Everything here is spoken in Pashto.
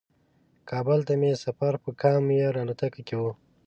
کابل ته مې سفر په کام ایر الوتکه کې و.